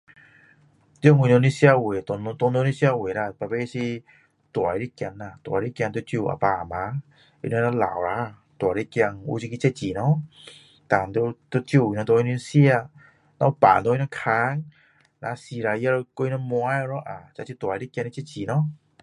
在我们的社会华华人的社会啦每次是大的儿啦大的儿要照顾阿爸阿妈他们若老了大的儿有这个责任咯然后要照顾他们吃有病给他们看啊死了要把他们埋了咯啊这就是大的儿责任咯